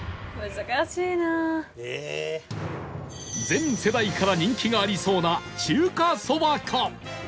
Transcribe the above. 全世代から人気がありそうな中華そばか？